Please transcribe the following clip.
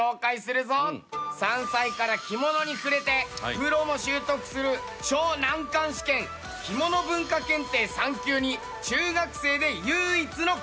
３歳から着物に触れてプロも習得する超難関試験きもの文化検定３級に中学生で唯一の合格。